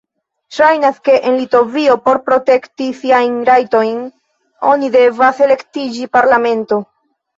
Ŝajnas, ke en Litovio, por protekti siajn rajtojn, oni devas elektiĝi parlamentano.